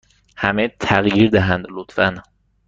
همه تغییر دهند، لطفا.